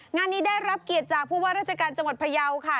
งานนี้ได้รับเกียรติจากผู้ว่าราชการจังหวัดพยาวค่ะ